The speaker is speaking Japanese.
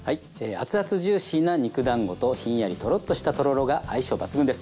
アツアツジューシーな肉だんごとひんやりとろっとしたとろろが相性抜群です。